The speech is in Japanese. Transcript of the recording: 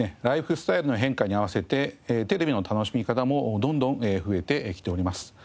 ライフスタイルの変化に合わせてテレビの楽しみ方もどんどん増えてきております。